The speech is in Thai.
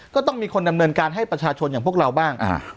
ก็ต้องมีคนดำเนินการให้ประชาชนอย่างพวกเราบ้าง